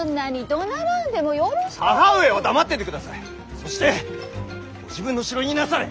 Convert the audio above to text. そして自分の城にいなされ！